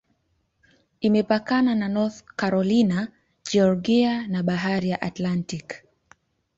Imepakana na North Carolina, Georgia na Bahari ya Atlantiki.